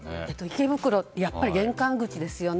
池袋って玄関口ですよね。